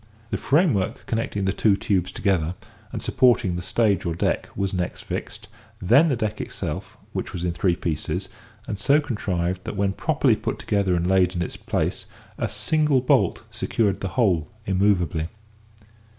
The framework connecting the two tubes together, and supporting the stage or deck, was next fixed; then the deck itself, which was in three pieces, and so contrived that, when properly put together and laid in its place, a single bolt secured the whole immovably.